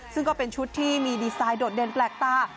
ซึ่งก็เป็นชุดที่มีดีไซน์โดดเด่นแปลกตา